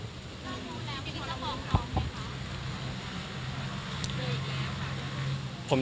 เราก็ไม่รู้แล้วคุณจะฟ้องหลองไหมคะ